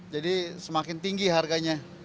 jadi semakin tinggi harganya